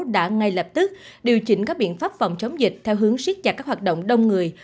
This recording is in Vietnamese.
đã ngay lập tức điều chỉnh các biện pháp phòng chống dịch theo hướng siết chặt các hoạt động đông người